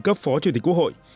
một mươi cấp phó chủ tịch quốc hội